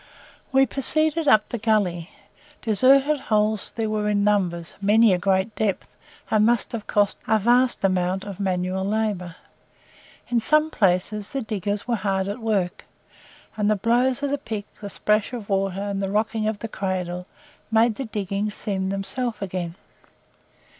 We proceeded up the gully. Deserted holes there were in numbers, many a great depth, and must have cost a vast amount of manual labour. In some places the diggers were hard at work, and the blows of the pick, the splash of water, and the rocking of the cradle made the diggings seem themselves again.